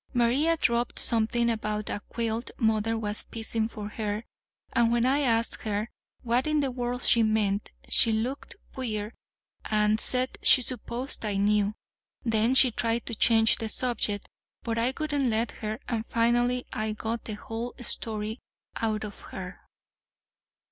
"Maria dropped something about a quilt mother was piecing for her, and when I asked her what in the world she meant, she looked queer, and said she supposed I knew. Then she tried to change the subject; but I wouldn't let her, and finally I got the whole story out of her."